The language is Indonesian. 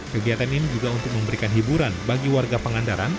kegiatan ini juga untuk memberikan hiburan bagi warga pangandaran